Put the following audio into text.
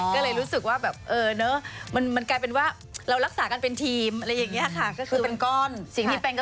ก็เลยรู้สึกว่าแบบเออเนอะมันการเป็นว่าเรารักษากันเป็นทีมอะไรอย่างนี้นะคะ